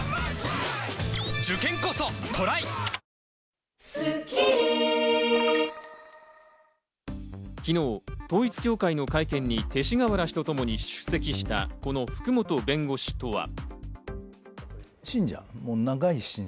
「ほんだし」で昨日、統一教会の会見に勅使河原氏とともに出席した、この福本弁護士とは。